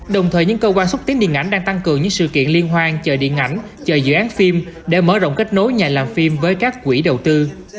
đồng thời những cơ quan xúc tiến điện ảnh đang tăng cường những sự kiện liên hoan chờ điện ảnh chờ dự án phim để mở rộng kết nối nhà làm phim với các quỹ đầu tư